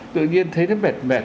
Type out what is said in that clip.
tự nhiên thấy nó mệt mệt